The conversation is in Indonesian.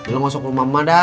lo masuk rumah rumah dah